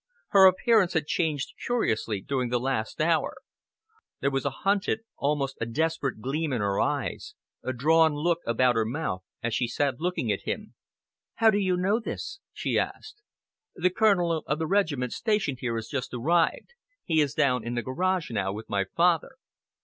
Her appearance had changed curiously during the last hour. There was a hunted, almost a desperate gleam in her eyes, a drawn look about her mouth as she sat looking at him. "How do you know this?" she asked. "The Colonel of the regiment stationed here has just arrived. He is down in the garage now with my father."